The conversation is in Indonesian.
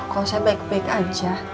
kalau saya baik baik aja